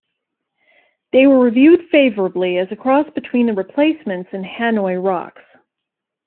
They were reviewed favorably as a cross between The Replacements and Hanoi Rocks.